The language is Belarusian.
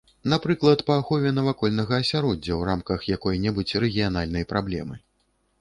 Напрыклад, па ахове навакольнага асяроддзя ў рамках якой-небудзь рэгіянальнай праблемы.